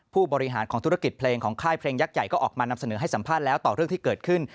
ผู้บริหารของธุรกิจเพลงของค่ายเพลงยักษ์ใหญ่ก็ออกมานำเสนอให้สัมภาษณ์แล้วต่อเรื่องที่เกิดขึ้น